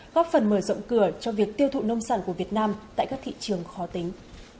góp phần mở rộng cửa cho việc tiêu thụ nông sản của việt nam tại các thị trường khó tính